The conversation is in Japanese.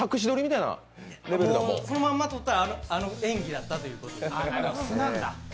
そのまんま撮ったらあの演技だったという。